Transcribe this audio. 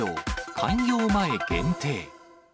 開業前限定。